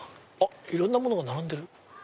いろんなものが並んでる。